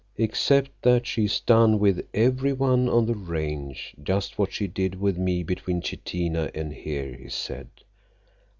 "Except that she's done with everyone on the Range just what she did with me between Chitina and here," he said.